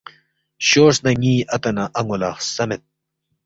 شورس نہ ن٘ی اتا نہ ان٘و لہ خسمید